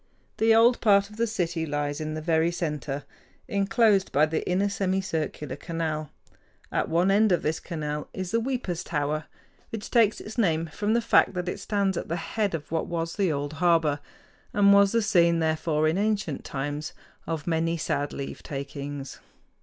The old part of the city lies in the very center, inclosed by the inner semicircular canal. At one end of this canal is the "Weepers' Tower," which takes its name from the fact that it stands at the head of what was the old harbor, and was the scene, therefore, in ancient times, of many sad leavetakings.